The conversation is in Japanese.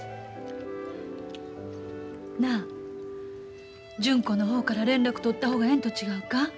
なあ純子の方から連絡取った方がええんと違うか？